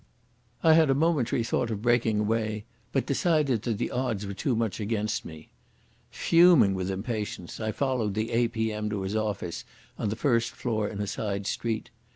I had a momentary thought of breaking away, but decided that the odds were too much against me. Fuming with impatience, I followed the A.P.M. to his office on the first floor in a side street.